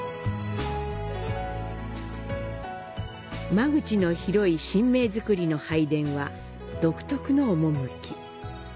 間口の広い神明造りの「拝殿」は、独特の趣。